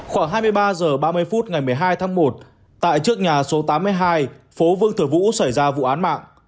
khoảng hai mươi ba h ba mươi phút ngày một mươi hai tháng một tại trước nhà số tám mươi hai phố vương thừa vũ xảy ra vụ án mạng